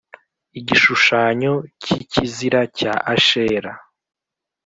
igishushanyo cy ikizira cya Ashera